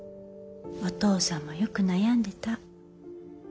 お父さんもよく悩んでた。